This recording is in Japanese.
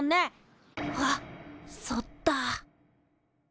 あっそっだ。